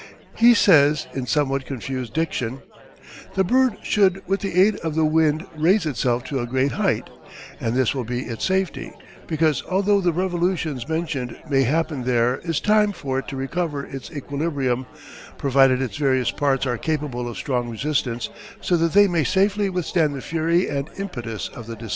He says, in somewhat confused diction: The bird should with the aid of the wind raise itself to a great height, and this will be its safety; because although the revolutions mentioned may happen there is time for it to recover its equilibrium, provided its various parts are capable of strong resistance so that they may safely withstand the fury and impetus of the descent.